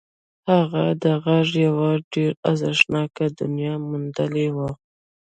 هغه د غږ یوه ډېره ارزښتناکه دنیا موندلې وه